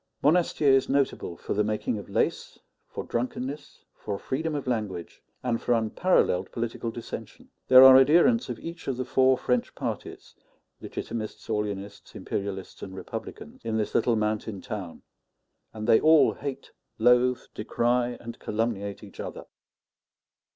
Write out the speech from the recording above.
Monastier is notable for the making of lace, for drunkenness, for freedom of language, and for unparalleled political dissension. There are adherents of each of the four French parties Legitimists, Orleanists, Imperialists, and Republicans in this little mountain town; and they all hate, loathe, decry, and calumniate each other.